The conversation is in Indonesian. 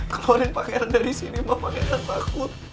keluarin pangeran dari sini mau pangeran paku